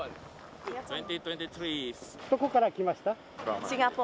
どこから来ました？